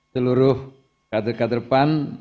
seluruh kader kader pan